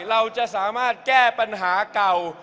เราจะสามารถแก้ปัญหาเก่า